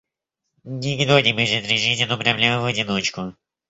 Никто не может решить эту проблему в одиночку.